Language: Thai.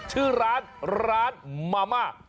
ชื่อร้านร้านมาม่าตึกร้าง